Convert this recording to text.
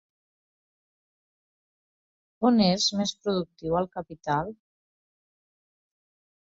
On és més productiu el capital?